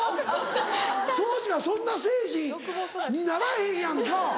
そうしかそんな精神にならへんやんか。